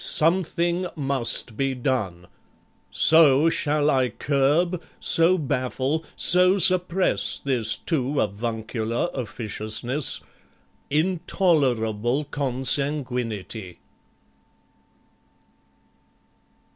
Something must be done. So shall I curb, so baffle, so suppress This too avuncular officiousness, Intolerable consanguinity.